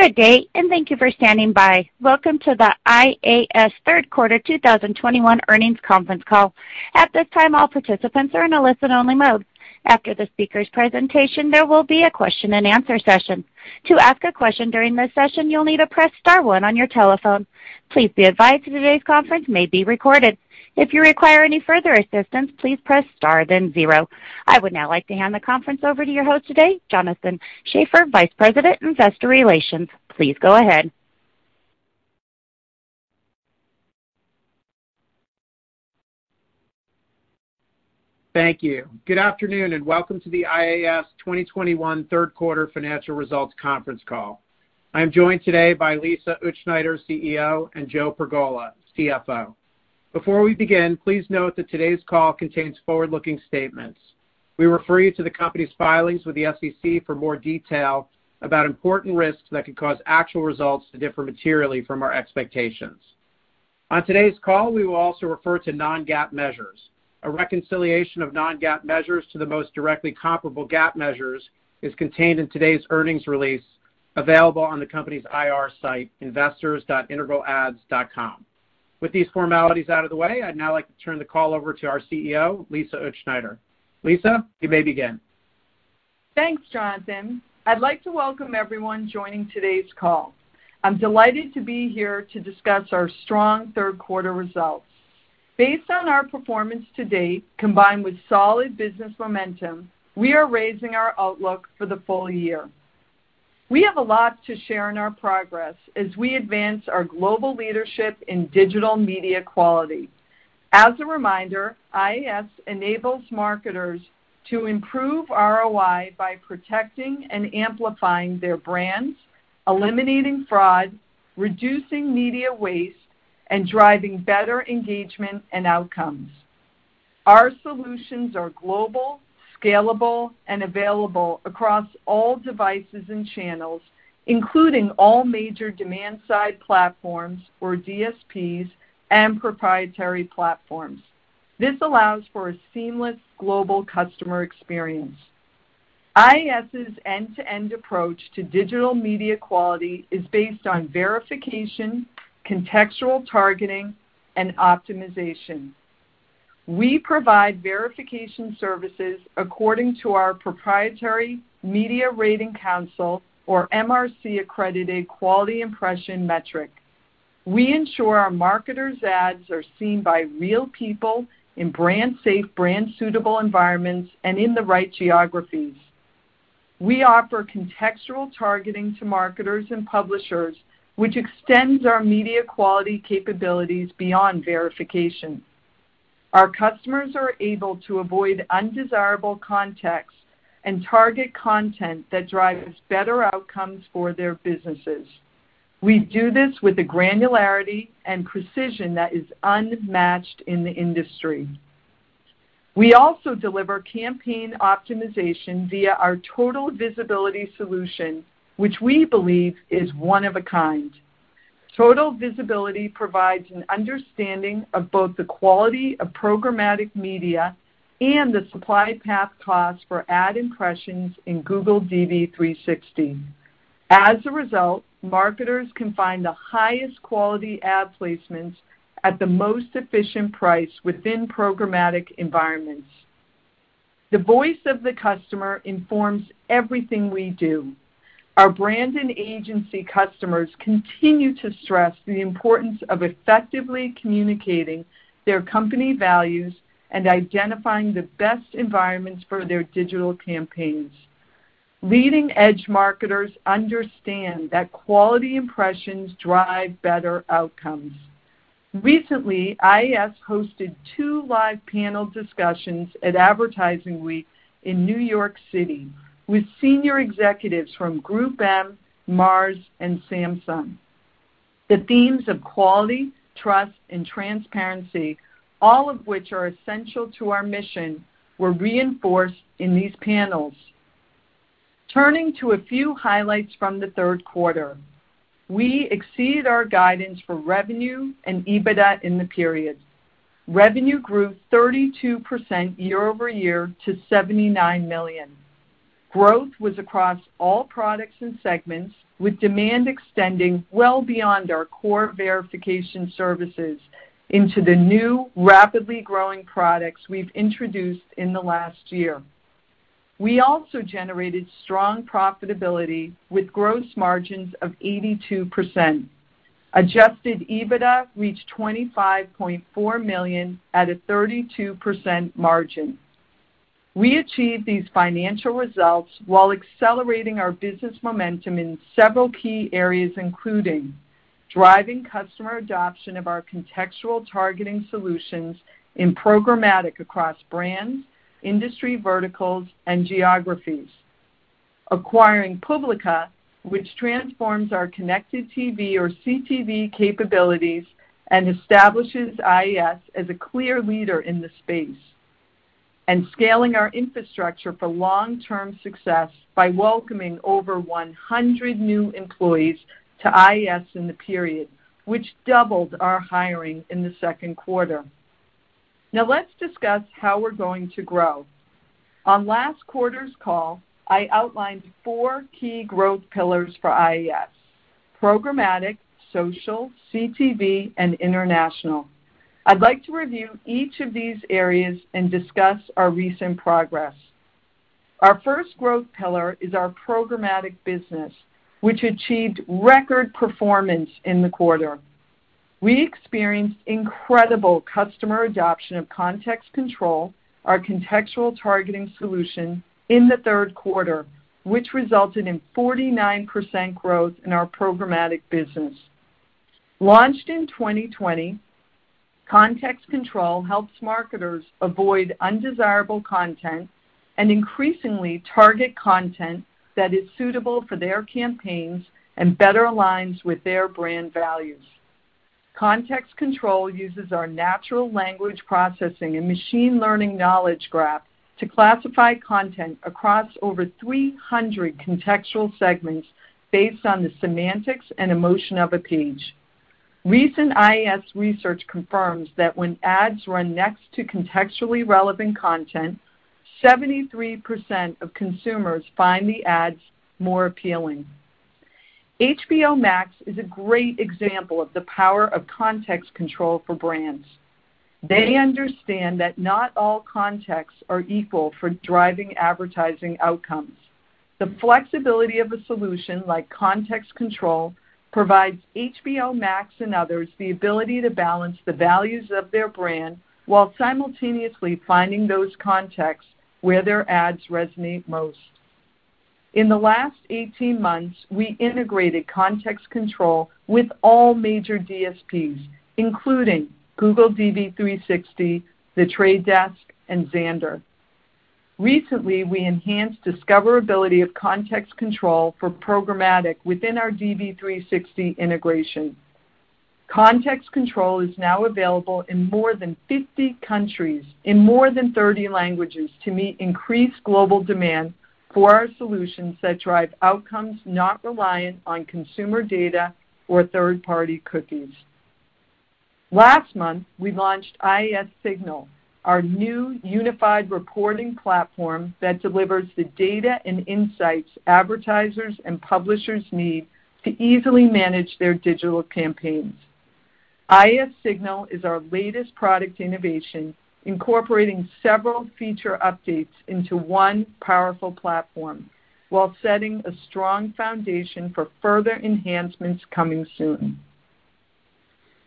Good day, and thank you for standing by. Welcome to the IAS Q3 2021 Earnings Conference Call. At this time, all participants are in a listen-only mode. After the speaker's presentation, there will be a question-and-answer session. To ask a question during this session, you'll need to press star one on your telephone. Please be advised today's conference may be recorded. If you require any further assistance, please press star then zero. I would now like to hand the conference over to your host today, Jonathan Schaffer, Vice President, Investor Relations. Please go ahead. Thank you. Good afternoon, and welcome to the IAS 2021 Q3 Financial Results Conference Call. I am joined today by Lisa Utzschneider, CEO, and Joe Pergola, CFO. Before we begin, please note that today's call contains forward-looking statements. We refer you to the company's filings with the SEC for more detail about important risks that could cause actual results to differ materially from our expectations. On today's call, we will also refer to non-GAAP measures. A reconciliation of non-GAAP measures to the most directly comparable GAAP measures is contained in today's earnings release available on the company's IR site, investors.integralads.com. With these formalities out of the way, I'd now like to turn the call over to our CEO, Lisa Utzschneider. Lisa, you may begin. Thanks, Jonathan. I'd like to welcome everyone joining today's call. I'm delighted to be here to discuss our strong Q3 results. Based on our performance to date, combined with solid business momentum, we are raising our outlook for the full year. We have a lot to share in our progress as we advance our global leadership in digital media quality. As a reminder, IAS enables marketers to improve ROI by protecting and amplifying their brands, eliminating fraud, reducing media waste, and driving better engagement and outcomes. Our solutions are global, scalable, and available across all devices and channels, including all major demand-side platforms or DSPs and proprietary platforms. This allows for a seamless global customer experience. IAS's end-to-end approach to digital media quality is based on verification, contextual targeting, and optimization. We provide verification services according to our proprietary Media Rating Council or MRC accredited quality impression metric. We ensure our marketers' ads are seen by real people in brand safe, brand suitable environments, and in the right geographies. We offer contextual targeting to marketers and publishers, which extends our media quality capabilities beyond verification. Our customers are able to avoid undesirable context and target content that drives better outcomes for their businesses. We do this with the granularity and precision that is unmatched in the industry. We also deliver campaign optimization via our Total Visibility solution, which we believe is one of a kind. Total Visibility provides an understanding of both the quality of programmatic media and the supply path costs for ad impressions in Google DV360. As a result, marketers can find the highest quality ad placements at the most efficient price within programmatic environments. The voice of the customer informs everything we do. Our brand and agency customers continue to stress the importance of effectively communicating their company values and identifying the best environments for their digital campaigns. Leading-edge marketers understand that quality impressions drive better outcomes. Recently, IAS hosted two live panel discussions at Advertising Week in New York City with senior executives from GroupM, Mars, and Samsung. The themes of quality, trust, and transparency, all of which are essential to our mission, were reinforced in these panels. Turning to a few highlights from the Q3. We exceed our guidance for revenue and EBITDA in the period. Revenue grew 32% year-over-year to $79 million. Growth was across all products and segments, with demand extending well beyond our core verification services into the new, rapidly growing products we've introduced in the last year. We also generated strong profitability with gross margins of 82%. Adjusted EBITDA reached $25.4 million at a 32% margin. We achieved these financial results while accelerating our business momentum in several key areas, including driving customer adoption of our contextual targeting solutions in programmatic across brands, industry verticals, and geographies, acquiring Publica, which transforms our connected TV or CTV capabilities and establishes IAS as a clear leader in the space, scaling our infrastructure for long-term success by welcoming over 100 new employees to IAS in the period, which doubled our hiring in the Q2. Now let's discuss how we're going to grow. On last quarter's call, I outlined four key growth pillars for IAS: programmatic, social, CTV, and international. I'd like to review each of these areas and discuss our recent progress. Our first growth pillar is our programmatic business, which achieved record performance in the quarter. We experienced incredible customer adoption of Context Control, our contextual targeting solution, in the Q3, which resulted in 49% growth in our programmatic business. Launched in 2020, Context Control helps marketers avoid undesirable content and increasingly target content that is suitable for their campaigns and better aligns with their brand values. Context Control uses our natural language processing and machine learning knowledge graph to classify content across over 300 contextual segments based on the semantics and emotion of a page. Recent IAS research confirms that when ads run next to contextually relevant content, 73% of consumers find the ads more appealing. HBO Max is a great example of the power of Context Control for brands. They understand that not all contexts are equal for driving advertising outcomes. The flexibility of a solution like Context Control provides HBO Max and others the ability to balance the values of their brand while simultaneously finding those contexts where their ads resonate most. In the last 18 months, we integrated Context Control with all major DSPs, including Google DV360, The Trade Desk, and Xandr. Recently, we enhanced discoverability of Context Control for programmatic within our DV360 integration. Context Control is now available in more than 50 countries in more than 30 languages to meet increased global demand for our solutions that drive outcomes not reliant on consumer data or third-party cookies. Last month, we launched IAS Signal, our new unified reporting platform that delivers the data and insights advertisers and publishers need to easily manage their digital campaigns. IAS Signal is our latest product innovation, incorporating several feature updates into one powerful platform while setting a strong foundation for further enhancements coming soon.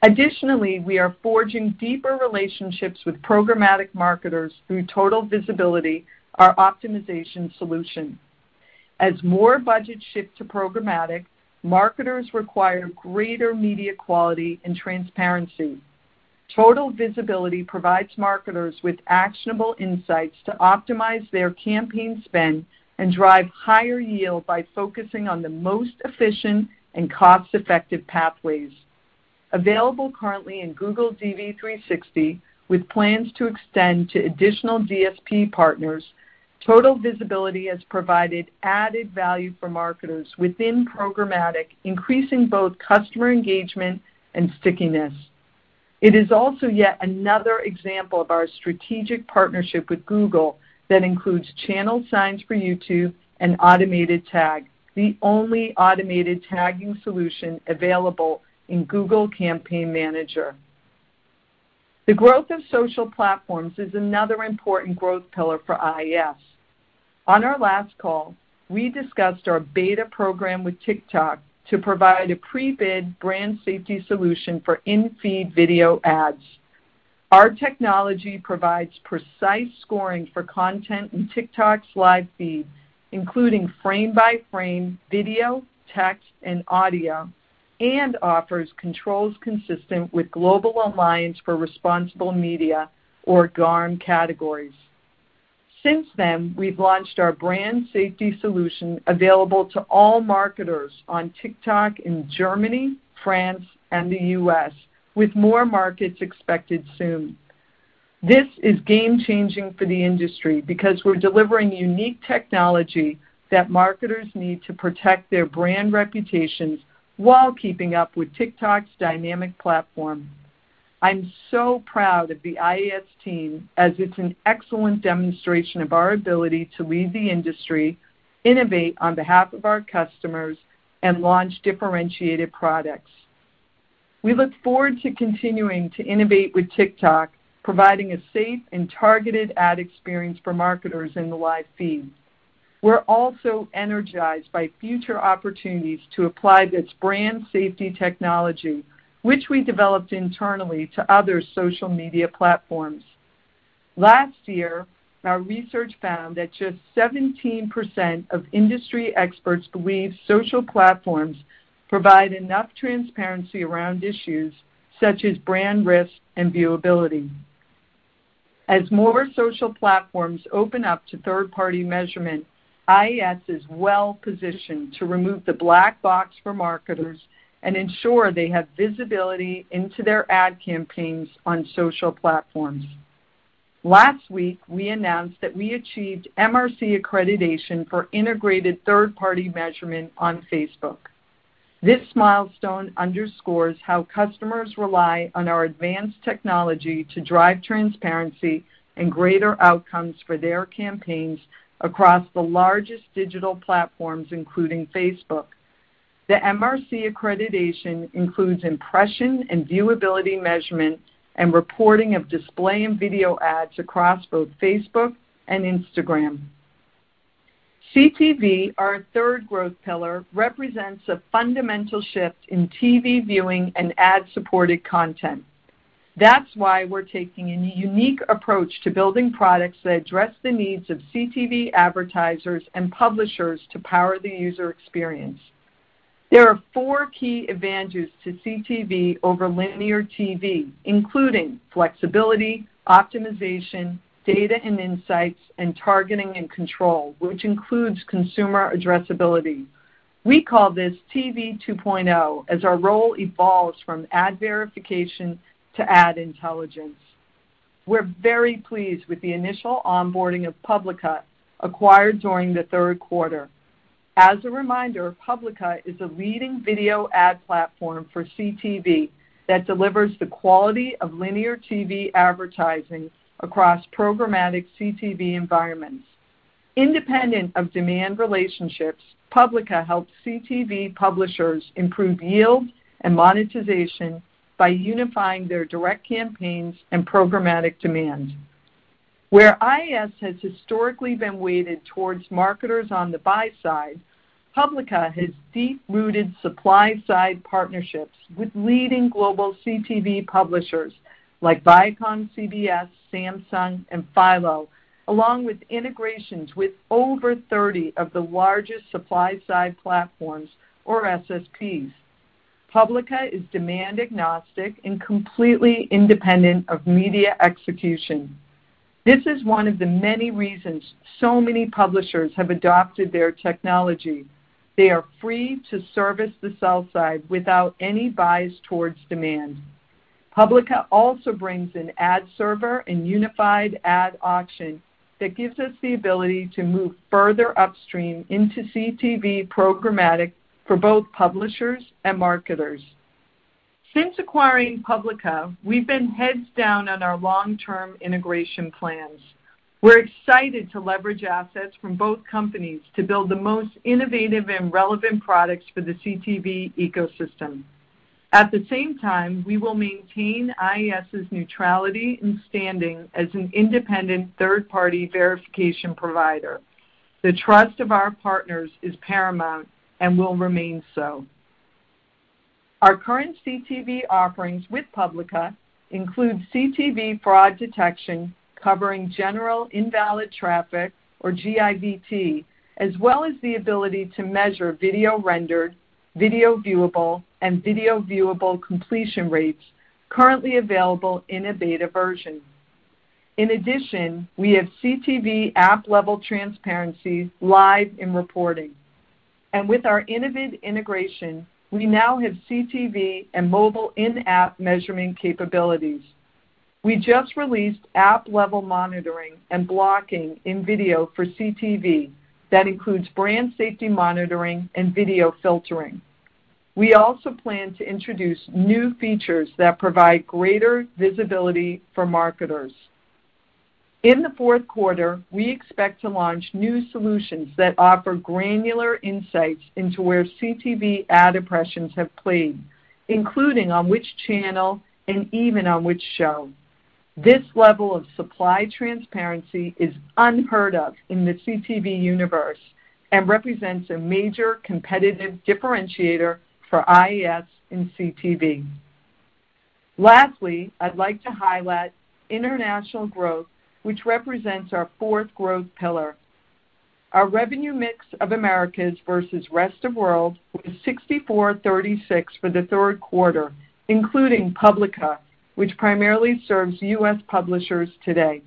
Additionally, we are forging deeper relationships with programmatic marketers through Total Visibility, our optimization solution. As more budgets shift to programmatic, marketers require greater media quality and transparency. Total Visibility provides marketers with actionable insights to optimize their campaign spend and drive higher yield by focusing on the most efficient and cost-effective pathways. Available currently in Google DV360, with plans to extend to additional DSP partners, Total Visibility has provided added value for marketers within programmatic, increasing both customer engagement and stickiness. It is also yet another example of our strategic partnership with Google that includes Channel Science for YouTube and Automated Tag, the only automated tagging solution available in Google Campaign Manager. The growth of social platforms is another important growth pillar for IAS. On our last call, we discussed our beta program with TikTok to provide a pre-bid brand safety solution for in-feed video ads. Our technology provides precise scoring for content in TikTok's live feed, including frame-by-frame video, text, and audio, and offers controls consistent with Global Alliance for Responsible Media, or GARM, categories. Since then, we've launched our brand safety solution available to all marketers on TikTok in Germany, France, and the U.S., with more markets expected soon. This is game-changing for the industry because we're delivering unique technology that marketers need to protect their brand reputations while keeping up with TikTok's dynamic platform. I'm so proud of the IAS team, as it's an excellent demonstration of our ability to lead the industry, innovate on behalf of our customers, and launch differentiated products. We look forward to continuing to innovate with TikTok, providing a safe and targeted ad experience for marketers in the live feed. We're also energized by future opportunities to apply this brand safety technology, which we developed internally, to other social media platforms. Last year, our research found that just 17% of industry experts believe social platforms provide enough transparency around issues such as brand risk and viewability. As more social platforms open up to third-party measurement, IAS is well positioned to remove the black box for marketers and ensure they have visibility into their ad campaigns on social platforms. Last week, we announced that we achieved MRC accreditation for integrated third-party measurement on Facebook. This milestone underscores how customers rely on our advanced technology to drive transparency and greater outcomes for their campaigns across the largest digital platforms, including Facebook. The MRC accreditation includes impression and viewability measurement and reporting of display and video ads across both Facebook and Instagram. CTV, our third growth pillar, represents a fundamental shift in TV viewing and ad-supported content. That's why we're taking a unique approach to building products that address the needs of CTV advertisers and publishers to power the user experience. There are four key advantages to CTV over linear TV, including flexibility, optimization, data and insights, and targeting and control, which includes consumer addressability. We call this TV 2.0, as our role evolves from ad verification to ad intelligence. We're very pleased with the initial onboarding of Publica acquired during the Q3. As a reminder, Publica is a leading video ad platform for CTV that delivers the quality of linear TV advertising across programmatic CTV environments. Independent of demand relationships, Publica helps CTV publishers improve yield and monetization by unifying their direct campaigns and programmatic demand. Where IAS has historically been weighted towards marketers on the buy side, Publica has deep-rooted supply-side partnerships with leading global CTV publishers like ViacomCBS, Samsung, and Philo, along with integrations with over 30 of the largest supply-side platforms or SSPs. Publica is demand agnostic and completely independent of media execution. This is one of the many reasons so many publishers have adopted their technology. They are free to service the sell side without any bias towards demand. Publica also brings an ad server and unified ad auction that gives us the ability to move further upstream into CTV programmatic for both publishers and marketers. Since acquiring Publica, we've been heads down on our long-term integration plans. We're excited to leverage assets from both companies to build the most innovative and relevant products for the CTV ecosystem. At the same time, we will maintain IAS's neutrality and standing as an independent third-party verification provider. The trust of our partners is paramount and will remain so. Our current CTV offerings with Publica include CTV fraud detection, covering general invalid traffic or GIVT, as well as the ability to measure video rendered, video viewable, and video viewable completion rates currently available in a beta version. In addition, we have CTV app-level transparency live in reporting. With our Innovid integration, we now have CTV and mobile in-app measuring capabilities. We just released app-level monitoring and blocking in video for CTV that includes brand safety monitoring and video filtering. We also plan to introduce new features that provide greater visibility for marketers. In the Q4, we expect to launch new solutions that offer granular insights into where CTV ad impressions have played, including on which channel and even on which show. This level of supply transparency is unheard of in the CTV universe and represents a major competitive differentiator for IAS in CTV. Lastly, I'd like to highlight international growth, which represents our fourth growth pillar. Our revenue mix of Americas versus rest of world was 64/36 for the Q3, including Publica, which primarily serves U.S. publishers today.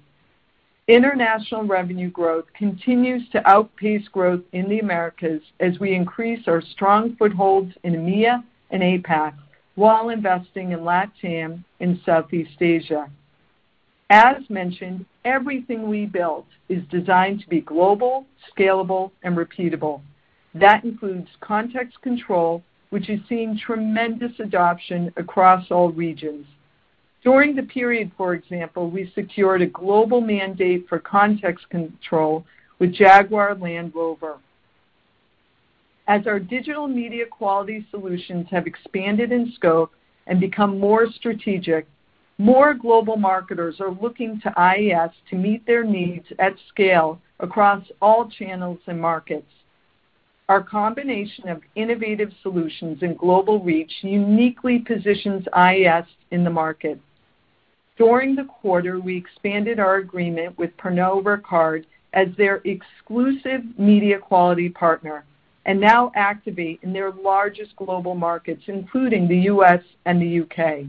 International revenue growth continues to outpace growth in the Americas as we increase our strong footholds in EMEA and APAC while investing in LATAM and Southeast Asia. As mentioned, everything we built is designed to be global, scalable, and repeatable. That includes Context Control, which has seen tremendous adoption across all regions. During the period, for example, we secured a global mandate for Context Control with Jaguar Land Rover. As our digital media quality solutions have expanded in scope and become more strategic, more global marketers are looking to IAS to meet their needs at scale across all channels and markets. Our combination of innovative solutions and global reach uniquely positions IAS in the market. During the quarter, we expanded our agreement with Pernod Ricard as their exclusive media quality partner and now activate in their largest global markets, including the U.S. and the U.K.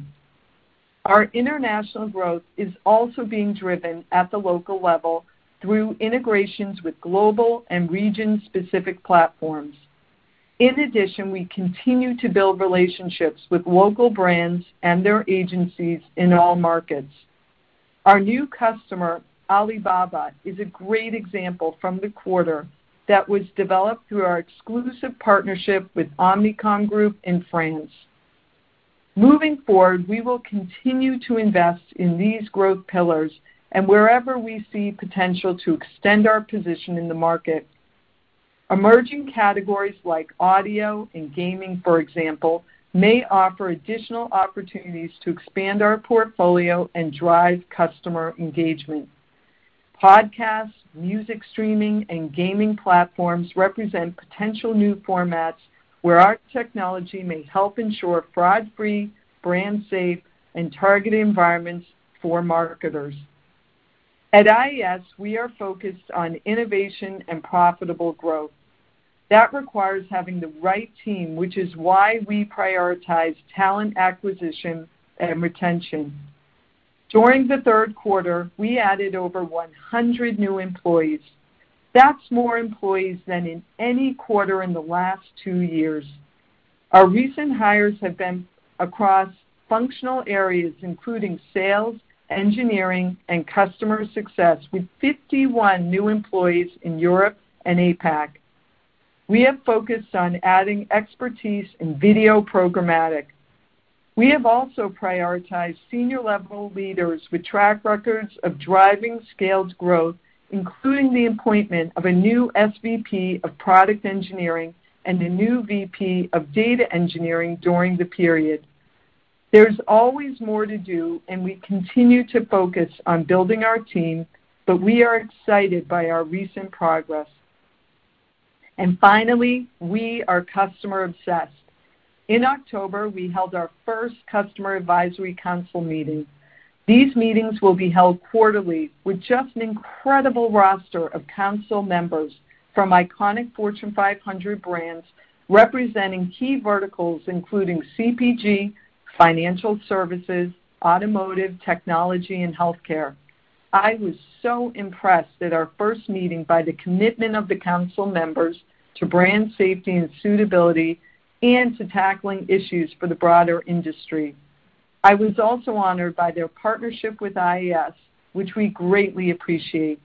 Our international growth is also being driven at the local level through integrations with global and region-specific platforms. In addition, we continue to build relationships with local brands and their agencies in all markets. Our new customer, Alibaba, is a great example from the quarter that was developed through our exclusive partnership with Omnicom Group in France. Moving forward, we will continue to invest in these growth pillars and wherever we see potential to extend our position in the market. Emerging categories like audio and gaming, for example, may offer additional opportunities to expand our portfolio and drive customer engagement. Podcasts, music streaming, and gaming platforms represent potential new formats where our technology may help ensure fraud-free, brand safe, and targeted environments for marketers. At IAS, we are focused on innovation and profitable growth. That requires having the right team, which is why we prioritize talent acquisition and retention. During the Q3, we added over 100 new employees. That's more employees than in any quarter in the last two years. Our recent hires have been across functional areas including sales, engineering, and customer success with 51 new employees in Europe and APAC. We have focused on adding expertise in video programmatic. We have also prioritized senior level leaders with track records of driving scaled growth, including the appointment of a new SVP of Product Engineering and a new VP of Data Engineering during the period. There's always more to do, and we continue to focus on building our team, but we are excited by our recent progress. Finally, we are customer obsessed. In October, we held our first customer advisory council meeting. These meetings will be held quarterly with just an incredible roster of council members from iconic Fortune 500 brands representing key verticals including CPG, financial services, automotive, technology, and healthcare. I was so impressed at our first meeting by the commitment of the council members to brand safety and suitability and to tackling issues for the broader industry. I was also honored by their partnership with IAS, which we greatly appreciate.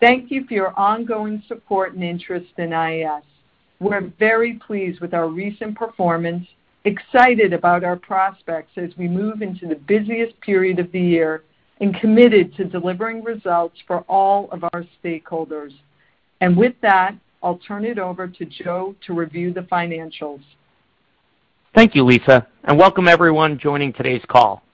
Thank you for your ongoing support and interest in IAS. We're very pleased with our recent performance, excited about our prospects as we move into the busiest period of the year, and committed to delivering results for all of our stakeholders. With that, I'll turn it over to Joe to review the financials. Thank you, Lisa, and welcome everyone joining today's call.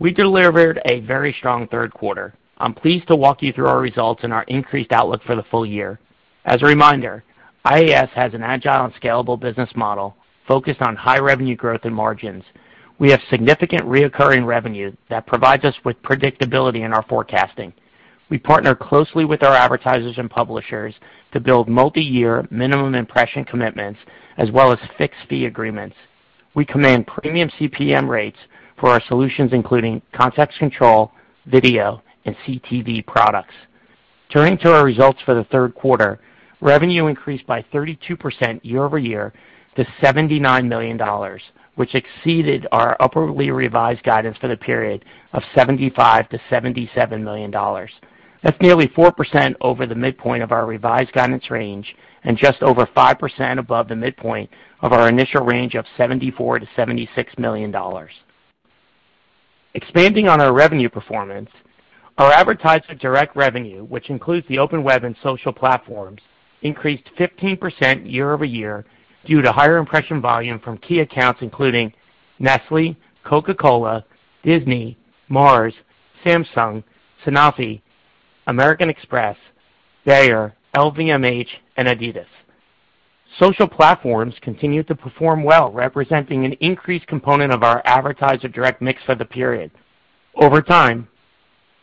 We delivered a very strong Q3. I'm pleased to walk you through our results and our increased outlook for the full year. As a reminder, IAS has an agile and scalable business model focused on high revenue growth and margins. We have significant reoccurring revenue that provides us with predictability in our forecasting. We partner closely with our advertisers and publishers to build multiyear minimum impression commitments as well as fixed fee agreements. We command premium CPM rates for our solutions, including Context Control, video, and CTV products. Turning to our results for the Q3, revenue increased by 32% year-over-year to $79 million, which exceeded our upwardly revised guidance for the period of $75 to 77 million. That's nearly 4% over the midpoint of our revised guidance range and just over 5% above the midpoint of our initial range of $74 to 76 million. Expanding on our revenue performance, our advertiser direct revenue, which includes the open web and social platforms, increased 15% year-over-year due to higher impression volume from key accounts including Nestlé, Coca-Cola, Disney, Mars, Samsung, Sanofi, American Express, Bayer, LVMH, and adidas. Social platforms continued to perform well, representing an increased component of our advertiser direct mix for the period. Over time,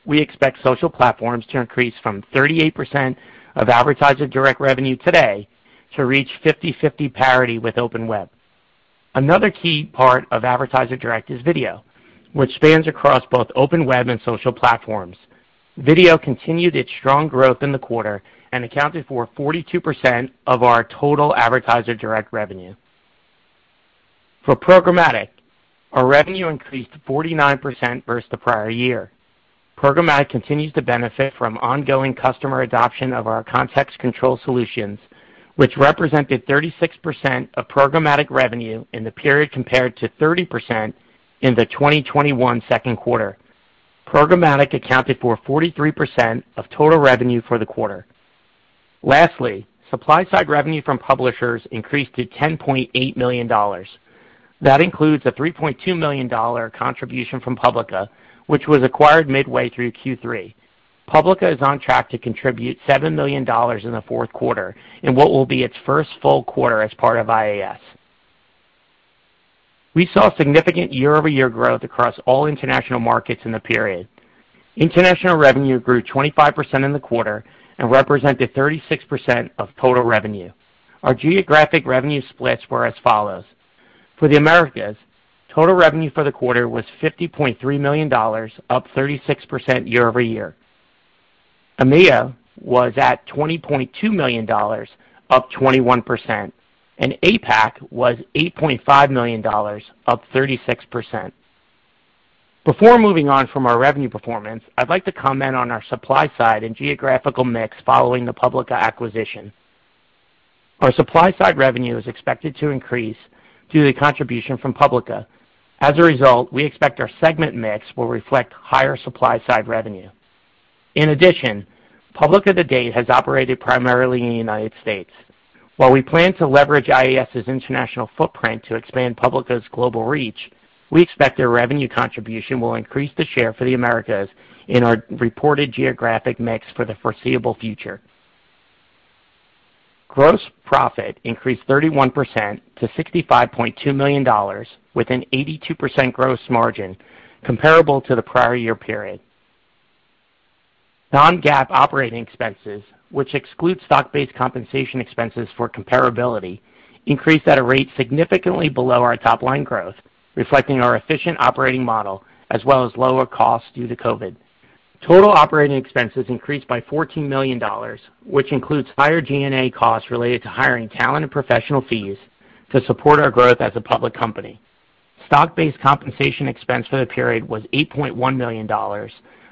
we expect social platforms to increase from 38% of advertiser direct revenue today to reach 50-50 parity with open web. Another key part of advertiser direct is video, which spans across both open web and social platforms. Video continued its strong growth in the quarter and accounted for 42% of our total advertiser direct revenue. For programmatic, our revenue increased 49% versus the prior year. Programmatic continues to benefit from ongoing customer adoption of our Context Control solutions, which represented 36% of programmatic revenue in the period compared to 30% in the 2021 Q2. Programmatic accounted for 43% of total revenue for the quarter. Lastly, supply side revenue from publishers increased to $10.8 million. That includes a $3.2 million contribution from Publica, which was acquired midway through Q3. Publica is on track to contribute $7 million in the Q4 in what will be its first full quarter as part of IAS. We saw significant year-over-year growth across all international markets in the period. International revenue grew 25% in the quarter and represented 36% of total revenue. Our geographic revenue splits were as follows. For the Americas, total revenue for the quarter was $50.3 million, up 36% year-over-year. EMEA was at $20.2 million, up 21%, and APAC was $8.5 million, up 36%. Before moving on from our revenue performance, I'd like to comment on our supply side and geographical mix following the Publica acquisition. Our supply side revenue is expected to increase due to the contribution from Publica. As a result, we expect our segment mix will reflect higher supply side revenue. In addition, Publica to date has operated primarily in the United States. While we plan to leverage IAS's international footprint to expand Publica's global reach, we expect their revenue contribution will increase the share for the Americas in our reported geographic mix for the foreseeable future. Gross profit increased 31% to $65.2 million with an 82% gross margin comparable to the prior year period. Non-GAAP operating expenses, which excludes stock-based compensation expenses for comparability, increased at a rate significantly below our top line growth, reflecting our efficient operating model as well as lower costs due to COVID. Total operating expenses increased by $14 million, which includes higher G&A costs related to hiring talent and professional fees to support our growth as a public company. Stock-based compensation expense for the period was $8.1 million,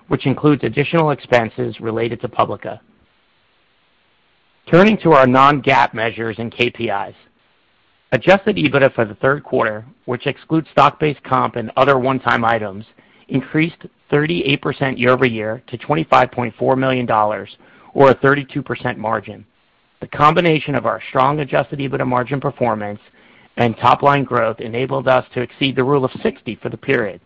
which includes additional expenses related to Publica. Turning to our non-GAAP measures and KPIs. Adjusted EBITDA for the Q3, which excludes stock-based comp and other one-time items, increased 38% year-over-year to $25.4 million or a 32% margin. The combination of our strong adjusted EBITDA margin performance and top line growth enabled us to exceed the rule of 60 for the period.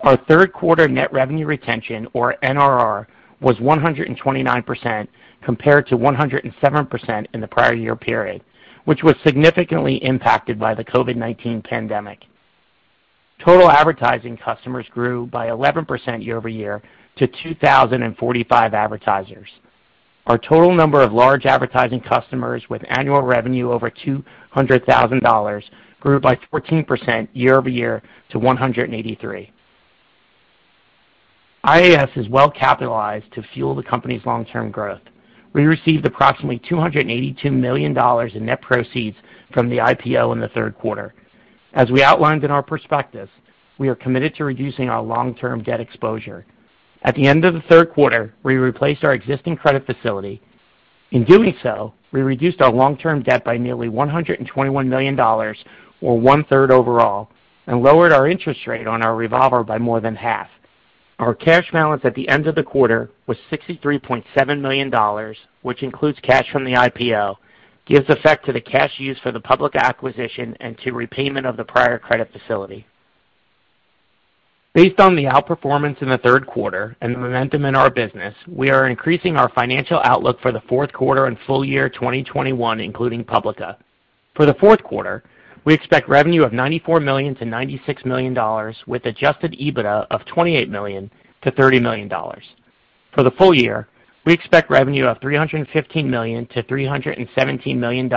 Our Q3 net revenue retention, or NRR, was 129% compared to 107% in the prior year period, which was significantly impacted by the COVID-19 pandemic. Total advertising customers grew by 11% year-over-year to 2,045 advertisers. Our total number of large advertising customers with annual revenue over $200,000 grew by 14% year-over-year to 183. IAS is well capitalized to fuel the company's long-term growth. We received approximately $282 million in net proceeds from the IPO in the Q3. As we outlined in our prospectus, we are committed to reducing our long-term debt exposure. At the end of the Q3, we replaced our existing credit facility. In doing so, we reduced our long-term debt by nearly $121 million or one-third overall, and lowered our interest rate on our revolver by more than half. Our cash balance at the end of the quarter was $63.7 million, which includes cash from the IPO, gives effect to the cash used for the Publica acquisition and to repayment of the prior credit facility. Based on the outperformance in the Q3 and the momentum in our business, we are increasing our financial outlook for the Q4 and full year 2021, including Publica. For the Q4, we expect revenue of $94 to 96 million with adjusted EBITDA of $28 to 30 million. For the full year, we expect revenue of $315 to 317 million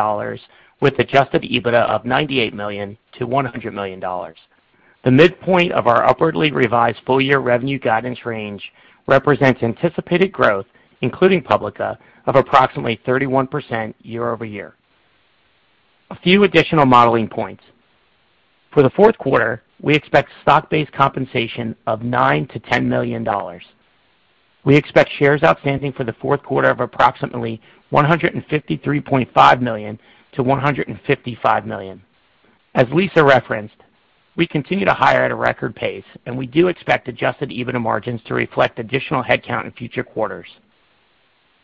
with adjusted EBITDA of $98 to 100 million. The midpoint of our upwardly revised full-year revenue guidance range represents anticipated growth, including Publica, of approximately 31% year-over-year. A few additional modelling points. For the Q4, we expect stock-based compensation of $9 to 10 million. We expect shares outstanding for the Q4 of approximately 153.5million to 155 million. As Lisa referenced, we continue to hire at a record pace, and we do expect adjusted EBITDA margins to reflect additional headcount in future quarters.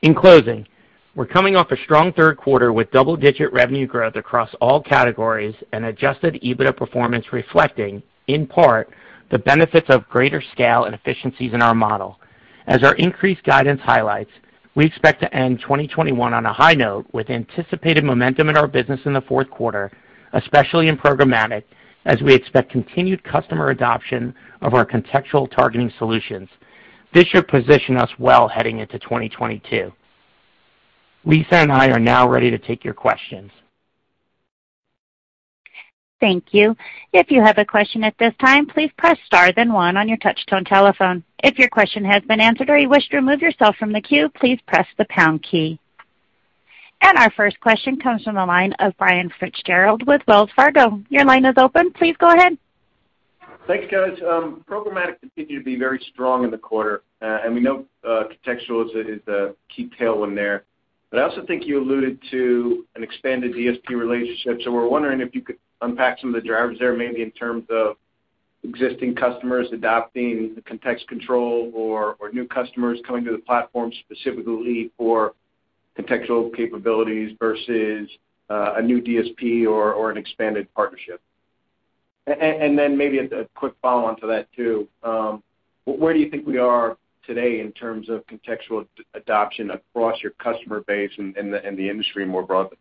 In closing, we're coming off a strong Q3 with double-digit revenue growth across all categories and adjusted EBITDA performance reflecting, in part, the benefits of greater scale and efficiencies in our model. As our increased guidance highlights, we expect to end 2021 on a high note with anticipated momentum in our business in the Q4, especially in programmatic, as we expect continued customer adoption of our contextual targeting solutions. This should position us well heading into 2022. Lisa and I are now ready to take your questions. Thank you. If you have a question at this time, please press star then one on your touch tone telephone. If your question has been answered or you wish to remove yourself from the queue, please press the pound key. Our first question comes from the line of Brian Fitzgerald with Wells Fargo. Your line is open. Please go ahead. Thanks, guys. Programmatic continued to be very strong in the quarter. We know contextual is a key tailwind there. I also think you alluded to an expanded DSP relationship. We're wondering if you could unpack some of the drivers there, maybe in terms of existing customers adopting the Context Control or new customers coming to the platform specifically for contextual capabilities versus a new DSP or an expanded partnership. Maybe a quick follow-on to that too. Where do you think we are today in terms of contextual adoption across your customer base and the industry more broadly?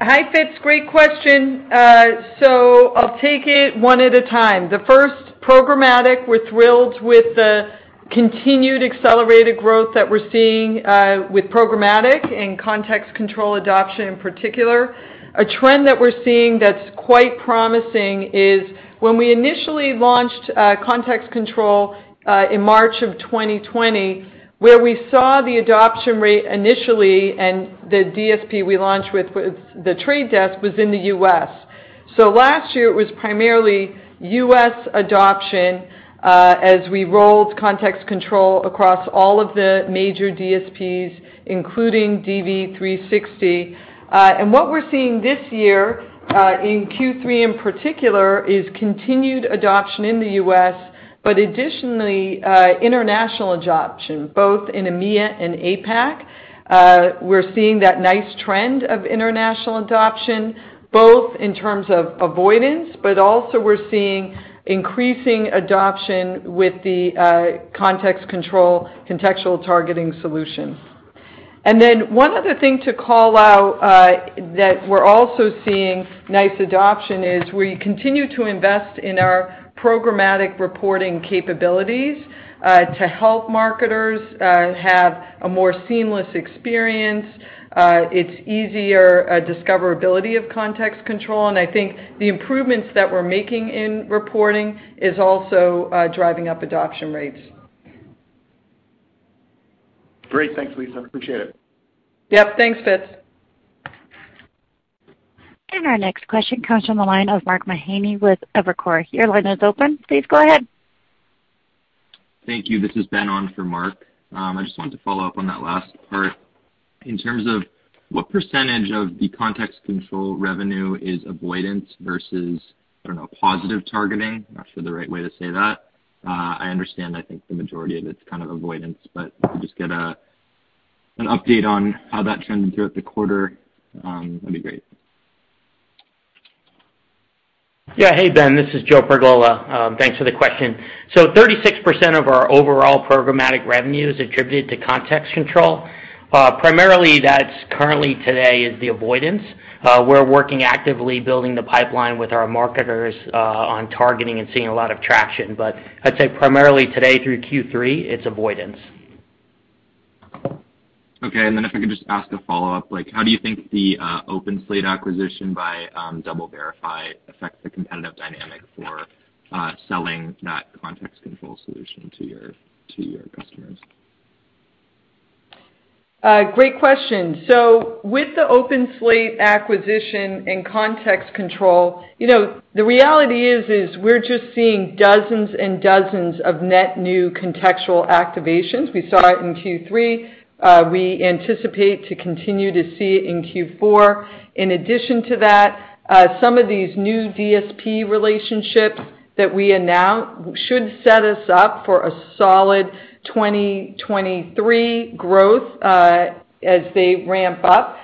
Hi, Fitz. Great question. I'll take it one at a time. The first, programmatic, we're thrilled with the continued accelerated growth that we're seeing with programmatic in Context Control adoption in particular. A trend that we're seeing that's quite promising is when we initially launched Context Control in March 2020, where we saw the adoption rate initially and the DSP we launched with was The Trade Desk in the U.S. Last year, it was primarily U.S. adoption as we rolled Context Control across all of the major DSPs, including DV360. What we're seeing this year in Q3 in particular is continued adoption in the U.S., but additionally international adoption, both in EMEA and APAC. We're seeing that nice trend of international adoption, both in terms of avoidance, but also we're seeing increasing adoption with the Context Control contextual targeting solution. One other thing to call out that we're also seeing nice adoption is we continue to invest in our programmatic reporting capabilities to help marketers have a more seamless experience. It's easier discoverability of Context Control, and I think the improvements that we're making in reporting is also driving up adoption rates. Great. Thanks, Lisa. Appreciate it. Yep. Thanks, Fitz. Our next question comes from the line of Mark Mahaney with Evercore. Your line is open. Please go ahead. Thank you. This is Ben on for Mark. I just wanted to follow up on that last part. In terms of what percentage of the Context Control revenue is avoidance versus, I don't know, positive targeting? I'm not sure the right way to say that. I understand, I think the majority of it's kind of avoidance, but if I could just get a, an update on how that trended throughout the quarter, that'd be great. Hey, Ben, this is Joe Pergola. Thanks for the question. 36% of our overall programmatic revenue is attributed to Context Control. Primarily, that's currently today is the avoidance. We're working actively building the pipeline with our marketers on targeting and seeing a lot of traction. But I'd say primarily today through Q3, it's avoidance. Okay. If I could just ask a follow-up. Like, how do you think the OpenSlate acquisition by Double Verify affects the competitive dynamic for selling that Context Control solution to your customers? Great question. With the OpenSlate acquisition and Context Control, you know, the reality is we're just seeing dozens and dozens of net new contextual activations. We saw it in Q3. We anticipate to continue to see it in Q4. In addition to that, some of these new DSP relationships that we announced should set us up for a solid 2023 growth, as they ramp up.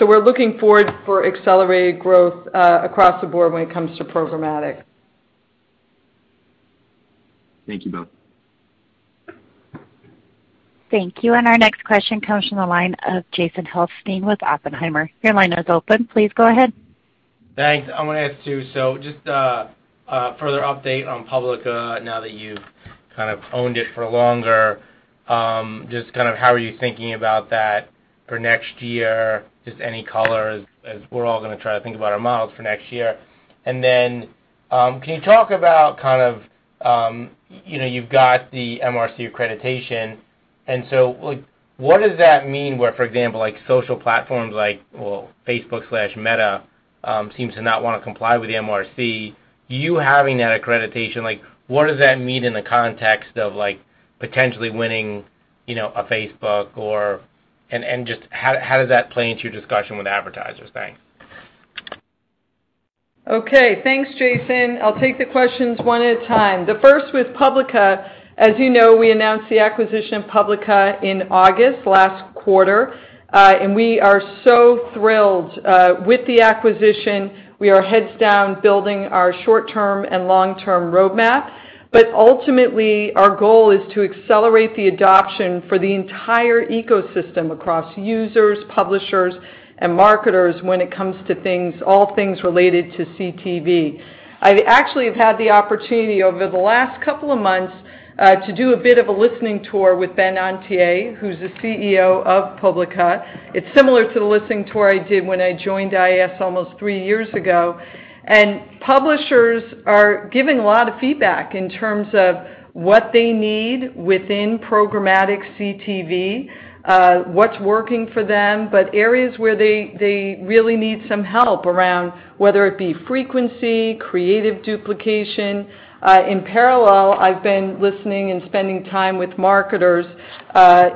We're looking forward for accelerated growth, across the board when it comes to programmatic. Thank you both. Thank you. Our next question comes from the line of Jason Helfstein with Oppenheimer. Your line is open. Please go ahead. Thanks. I wanna ask, too, so just a further update on Publica now that you've kind of owned it for longer. Just kind of how are you thinking about that for next year? Just any colour as we're all gonna try to think about our models for next year. Can you talk about kind of, you know, you've got the MRC accreditation, and so, like, what does that mean where, for example, like, social platforms like, well, Facebook/Meta, seems to not wanna comply with the MRC. You having that accreditation, like, what does that mean in the context of, like, potentially winning, you know, a Facebook or. And just how does that play into your discussion with advertisers? Thanks. Okay. Thanks, Jason. I'll take the questions one at a time. The first with Publica, as you know, we announced the acquisition of Publica in August last quarter. And we are so thrilled with the acquisition. We are heads down building our short-term and long-term roadmap. Ultimately, our goal is to accelerate the adoption for the entire ecosystem across users, publishers, and marketers when it comes to things, all things related to CTV. I actually have had the opportunity over the last couple of months to do a bit of a listening tour with Ben Antier, who's the CEO of Publica. It's similar to the listening tour I did when I joined IAS almost three years ago. Publishers are giving a lot of feedback in terms of what they need within programmatic CTV, what's working for them, but areas where they really need some help around whether it be frequency, creative duplication. In parallel, I've been listening and spending time with marketers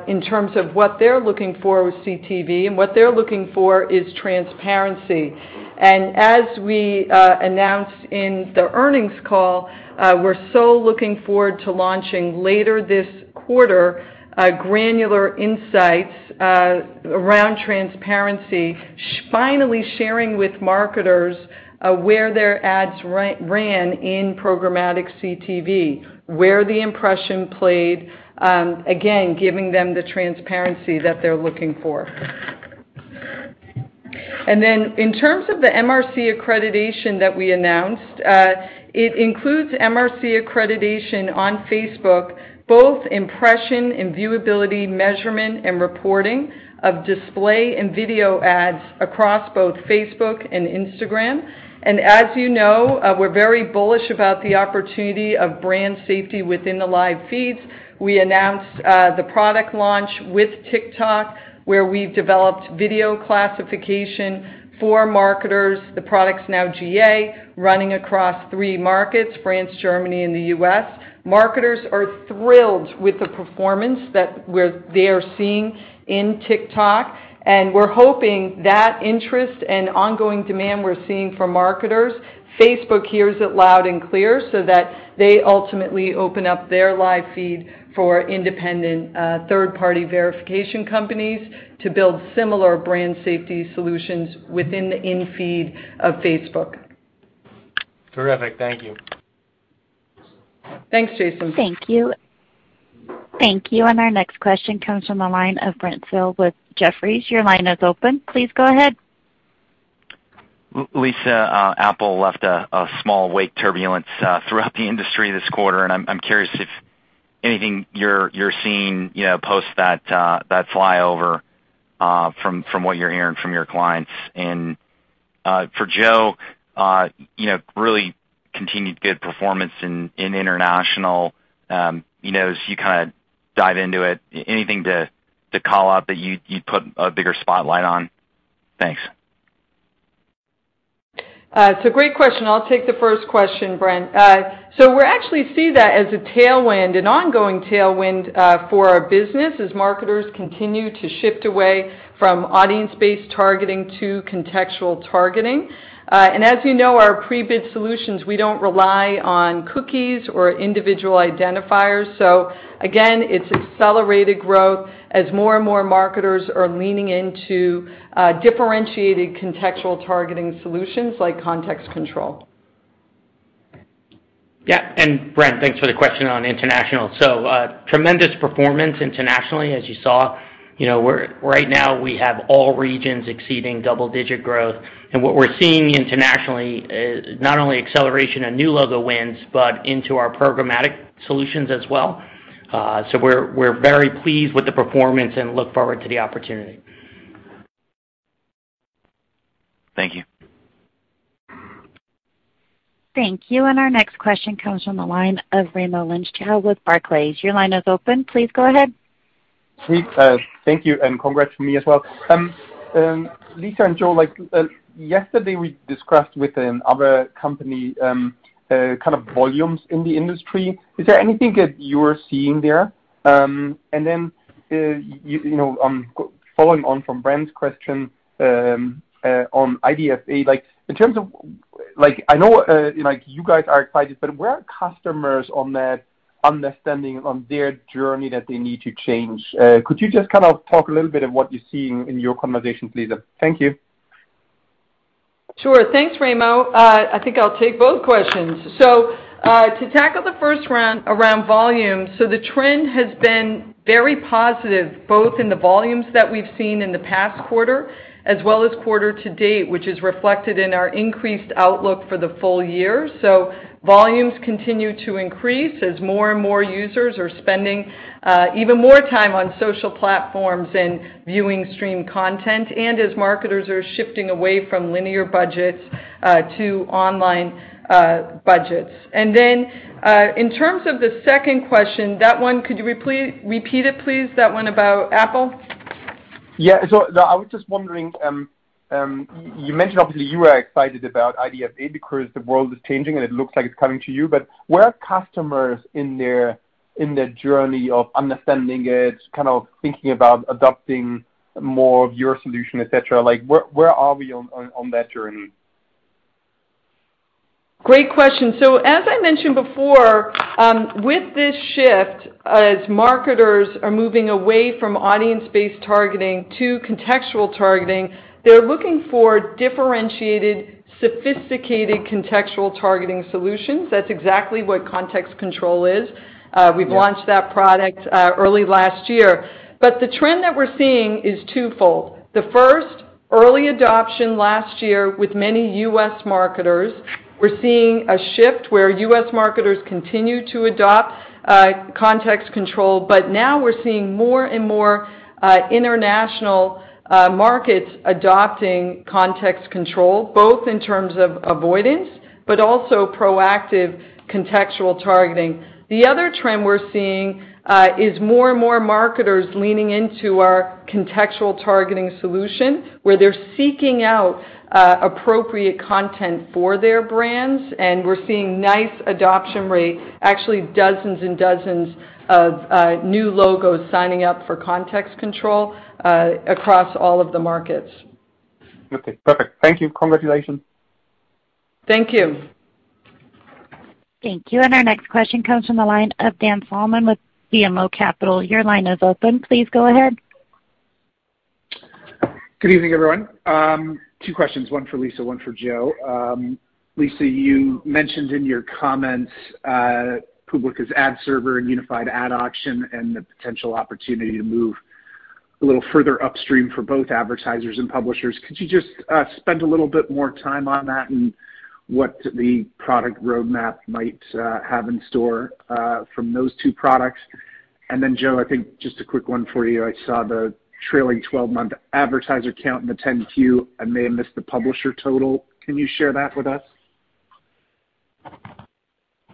in terms of what they're looking for with CTV, and what they're looking for is transparency. As we announced in the earnings call, we're so looking forward to launching later this quarter granular insights around transparency, finally sharing with marketers where their ads ran in programmatic CTV, where the impression played, again, giving them the transparency that they're looking for. Then in terms of the MRC accreditation that we announced, it includes MRC accreditation on Facebook, both impression and viewability measurement and reporting of display and video ads across both Facebook and Instagram. As you know, we're very bullish about the opportunity of brand safety within the live feeds. We announced the product launch with TikTok, where we've developed video classification for marketers, the products now GA, running across three markets, France, Germany and the U.S. Marketers are thrilled with the performance they are seeing in TikTok, and we're hoping that interest and ongoing demand we're seeing from marketers, Facebook hears it loud and clear so that they ultimately open up their live feed for independent, third-party verification companies to build similar brand safety solutions within the in-feed of Facebook. Terrific. Thank you. Thanks, Jason. Thank you. Thank you. Our next question comes from the line of Brent Thill with Jefferies. Your line is open. Please go ahead. Lisa, Apple left a small wake turbulence throughout the industry this quarter, and I'm curious if anything you're seeing, you know, post that fly over, from what you're hearing from your clients. For Joe, you know, really continued good performance in international, you know, as you kind of dive into it, anything to call out that you'd put a bigger spotlight on? Thanks. It's a great question. I'll take the first question, Brent. We actually see that as a tailwind, an ongoing tailwind, for our business as marketers continue to shift away from audience-based targeting to contextual targeting. As you know, our pre-bid solutions, we don't rely on cookies or individual identifiers. Again, it's accelerated growth as more and more marketers are leaning into differentiated contextual targeting solutions like Context Control. Yeah, Brent, thanks for the question on international. Tremendous performance internationally, as you saw. You know, right now, we have all regions exceeding double-digit growth. What we're seeing internationally is not only acceleration of new logo wins, but into our programmatic solutions as well. We're very pleased with the performance and look forward to the opportunity. Thank you. Thank you. Our next question comes from the line of Raimo Lenschow with Barclays. Your line is open. Please go ahead. Please, thank you, and congrats from me as well. Lisa and Joe, like, yesterday we discussed with another company, kind of volumes in the industry. Is there anything that you are seeing there? Then, you know, following on from Brent's question, on IDFA, like in terms of like, I know, like you guys are excited, but where are customers on that understanding on their journey that they need to change? Could you just kind of talk a little bit about what you're seeing in your conversations, please? Thank you. Sure. Thanks, Raimo. I think I'll take both questions. To tackle the first one around volume, the trend has been very positive, both in the volumes that we've seen in the past quarter as well as quarter to date, which is reflected in our increased outlook for the full year. Volumes continue to increase as more and more users are spending even more time on social platforms and viewing streaming content, and as marketers are shifting away from linear budgets to online budgets. In terms of the second question, that one, could you repeat it, please? That one about Apple. Yeah. I was just wondering, you mentioned obviously you are excited about IDFA because the world is changing and it looks like it's coming to you. But where are customers in their journey of understanding it, kind of thinking about adopting more of your solution, et cetera? Like where are we on that journey? Great question. As I mentioned before, with this shift, as marketers are moving away from audience-based targeting to contextual targeting, they're looking for differentiated, sophisticated contextual targeting solutions. That's exactly what Context Control is. We've launched that product early last year. The trend that we're seeing is twofold. The first, early adoption last year with many U.S. marketers. We're seeing a shift where U.S. marketers continue to adopt Context Control, but now we're seeing more and more international markets adopting Context Control, both in terms of avoidance, but also proactive contextual targeting. The other trend we're seeing is more and more marketers leaning into our contextual targeting solution, where they're seeking out appropriate content for their brands, and we're seeing nice adoption rate, actually dozens and dozens of new logos signing up for Context Control across all of the markets. Okay. Perfect. Thank you. Congratulations. Thank you. Thank you. Our next question comes from the line of Dan Salmon with BMO Capital. Your line is open. Please go ahead. Good evening, everyone. Two questions, one for Lisa, one for Joe. Lisa, you mentioned in your comments Publica's ad server and unified ad auction and the potential opportunity to move a little further upstream for both advertisers and publishers. Could you just spend a little bit more time on that and what the product roadmap might have in store from those two products? Joe, I think just a quick one for you. I saw the trailing twelve-month advertiser count in the 10-Q. I may have missed the publisher total. Can you share that with us?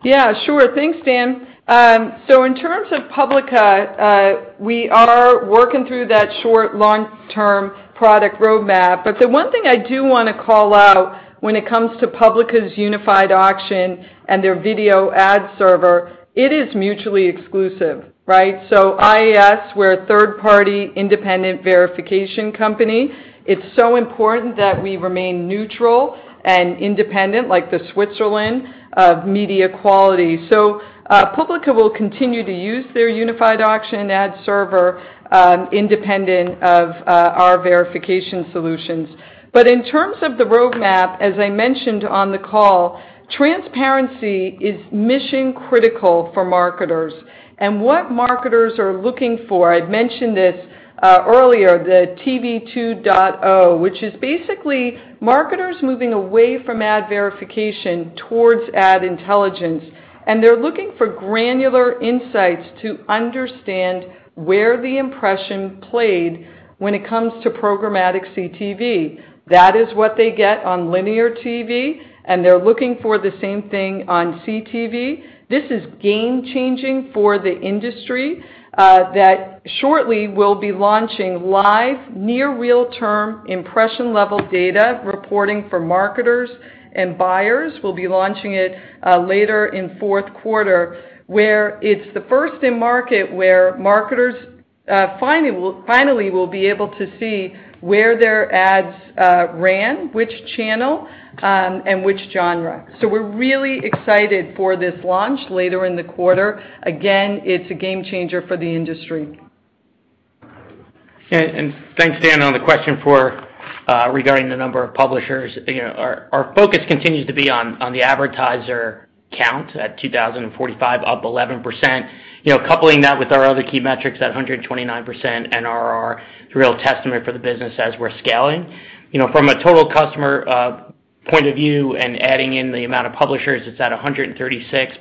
Yeah, sure. Thanks, Dan. In terms of Publica, we are working through that short- and long-term product roadmap. The one thing I do wanna call out when it comes to Publica's unified auction and their video ad server, it is mutually exclusive, right? IAS, we're a third-party independent verification company. It's so important that we remain neutral and independent like the Switzerland of media quality. Publica will continue to use their unified auction and ad server, independent of, our verification solutions. In terms of the roadmap, as I mentioned on the call, transparency is mission critical for marketers. What marketers are looking for, I'd mentioned this earlier, the TV 2.0, which is basically marketers moving away from ad verification towards ad intelligence, and they're looking for granular insights to understand where the impression played when it comes to programmatic CTV. That is what they get on linear TV, and they're looking for the same thing on CTV. This is game-changing for the industry that shortly will be launching live near real-time impression-level data reporting for marketers and buyers. We'll be launching it later in Q4, where it's the first in market where marketers finally will be able to see where their ads ran, which channel, and which genre. We're really excited for this launch later in the quarter. Again, it's a game changer for the industry. Yeah. Thanks, Dan, on the question regarding the number of publishers. Our focus continues to be on the advertiser count at 2,045, up 11%. Coupling that with our other key metrics at 129% NRR is a real testament for the business as we're scaling. From a total customer point of view and adding in the amount of publishers, it's at 136.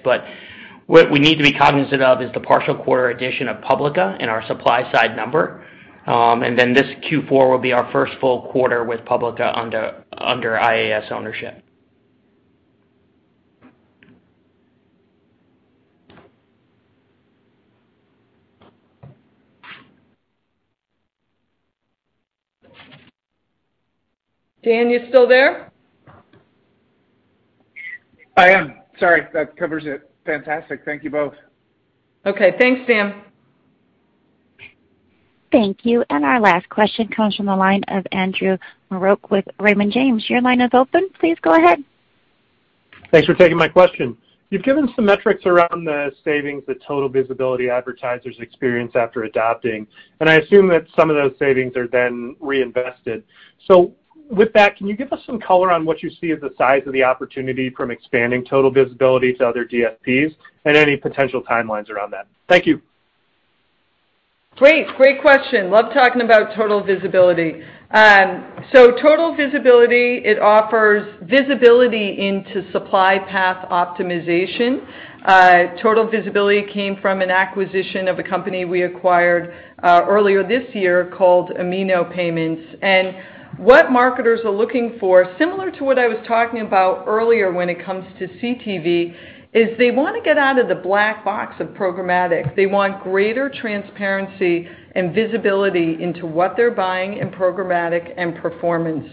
What we need to be cognizant of is the partial quarter addition of Publica in our supply side number. This Q4 will be our first full quarter with Publica under IAS ownership. Dan, you still there? I am sorry. That covers it. Fantastic. Thank you both. Okay. Thanks, Dan. Thank you. Our last question comes from the line of Andrew Marok with Raymond James. Your line is open. Please go ahead. Thanks for taking my question. You've given some metrics around the savings that Total Visibility advertisers experience after adopting, and I assume that some of those savings are then reinvested. With that, can you give us some colour on what you see as the size of the opportunity from expanding Total Visibility to other DSPs and any potential timelines around that? Thank you. Great question. Love talking about Total Visibility. Total Visibility offers visibility into supply path optimization. Total Visibility came from an acquisition of a company we acquired earlier this year called Amino Payments. What marketers are looking for, similar to what I was talking about earlier when it comes to CTV, is they wanna get out of the black box of programmatic. They want greater transparency and visibility into what they're buying in programmatic and performance.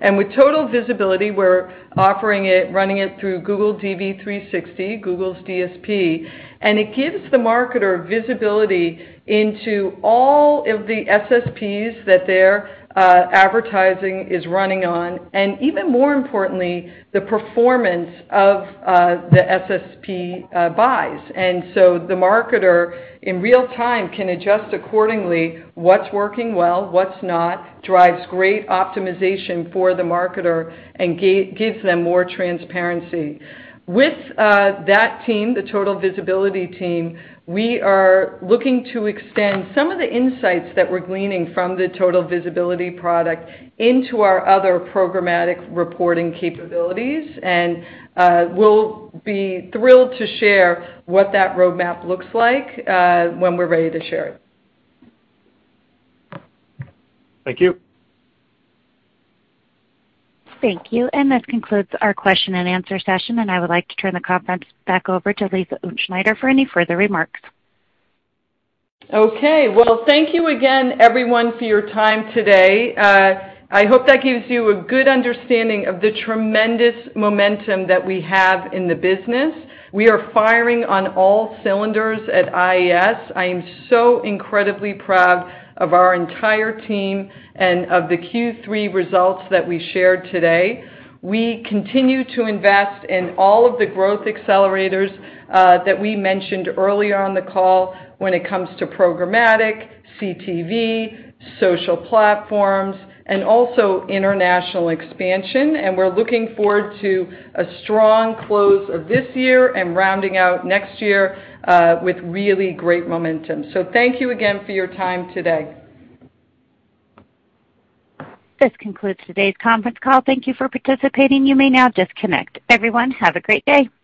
With Total Visibility, we're offering it, running it through Google DV360, Google's DSP, and it gives the marketer visibility into all of the SSPs that their advertising is running on, and even more importantly, the performance of the SSP buys. The marketer, in real time, can adjust accordingly what's working well, what's not, drives great optimization for the marketer and gives them more transparency. With that team, the Total Visibility team, we are looking to extend some of the insights that we're gleaning from the Total Visibility product into our other programmatic reporting capabilities. We'll be thrilled to share what that roadmap looks like when we're ready to share it. Thank you. Thank you. This concludes our question and answer session, and I would like to turn the conference back over to Lisa Utzschneider for any further remarks. Okay. Well, thank you again, everyone, for your time today. I hope that gives you a good understanding of the tremendous momentum that we have in the business. We are firing on all cylinders at IAS. I am so incredibly proud of our entire team and of the Q3 results that we shared today. We continue to invest in all of the growth accelerators that we mentioned earlier on the call when it comes to programmatic, CTV, social platforms, and also international expansion. We're looking forward to a strong close of this year and rounding out next year with really great momentum. Thank you again for your time today. This concludes today's conference call. Thank you for participating. You may now disconnect. Everyone, have a great day.